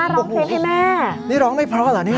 ร้องเส้นให้แม่นี่ร้องไม่พอหรอเนี้ย